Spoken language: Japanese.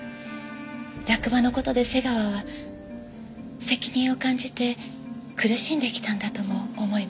落馬の事で瀬川は責任を感じて苦しんできたんだとも思いました。